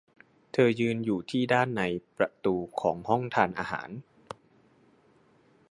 เธอยืนอยู่ที่ด้านในประตูของห้องทานอาหาร